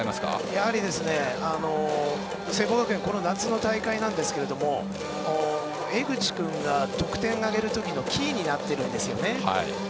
やはり聖望学園はこの夏の大会ですが江口君が得点を挙げるときのキーになっているんですね。